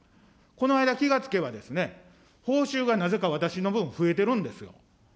この間、気がつけば、報酬がなぜか私の分、増えてるんです。